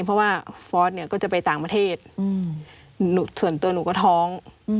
เพราะว่าฟอร์สเนี่ยก็จะไปต่างประเทศส่วนตัวหนูก็ท้อง